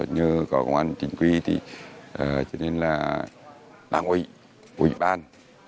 như có công an chính quy cho nên là đáng ủy ủy ban